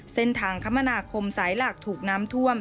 เส้นทางขมนาคมสายหลักถูกน้ำท่วม